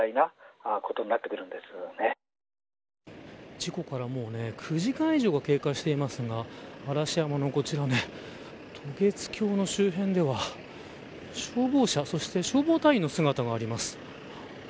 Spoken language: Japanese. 事故から９時間以上が経過していますが嵐山のこちら渡月橋の周辺では消防車、そして消防隊員の姿があります。